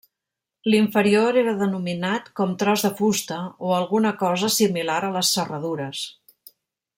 L'inferior era el denominat com tros de fusta o alguna cosa similar a les serradures.